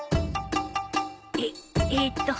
ええーと。